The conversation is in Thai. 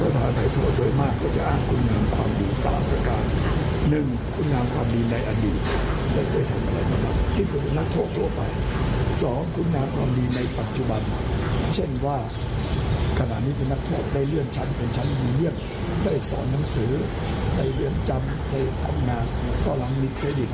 ตอนนี้จะได้ทำงานก็หลังมีเครดิต